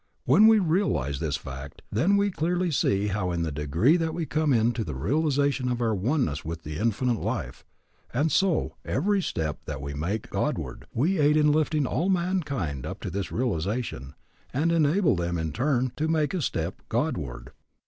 When we realize this fact, then we clearly see how in the degree that we come into the realization of our oneness with the Infinite Life, and so, every step that we make Godward, we aid in lifting all mankind up to this realization, and enable them, in turn, to make a step God ward.